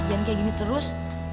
dan kayak gini terus